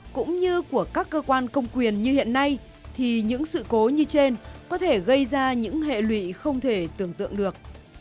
cũng như của các cơ quan công quyền như hiện nay thì những sự cố như trên có thể gây ra những hệ lụy không thể tưởng tượng được